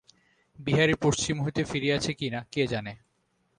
বিহারী পশ্চিম হইতে ফিরিয়াছে কি না, কে জানে।